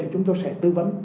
thì chúng tôi sẽ tư vấn